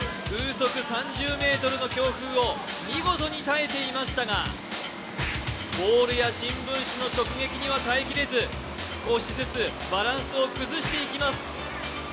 風速３０メートルの強風を見事に耐えていましたが、ボールや新聞紙の直撃には耐えられず少しずつバランスを崩していきます。